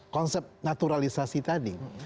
konsep naturalisasi tadi